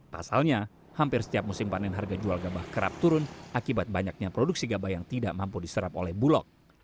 pasalnya hampir setiap musim panen harga jual gabah kerap turun akibat banyaknya produksi gabah yang tidak mampu diserap oleh bulog